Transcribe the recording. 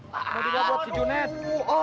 bisa buat si junet